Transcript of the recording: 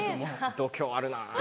度胸あるな。